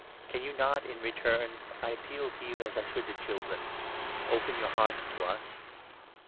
Can you not in return — I appeal to you as I should to children — 13 open your hearts to us